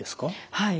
はい。